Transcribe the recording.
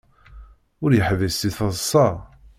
Ur yeḥbis seg teḍsa.